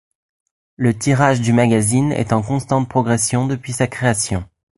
Le tirage du magazine est en constante progression depuis sa création.